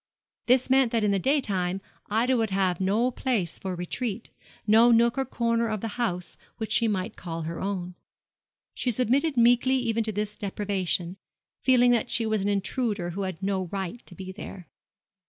This meant that in the daytime Ida would have no place for retreat, no nook or corner of the house which she might call her own. She submitted meekly even to this deprivation, feeling that she was an intruder who had no right to be there.